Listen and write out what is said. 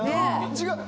違う。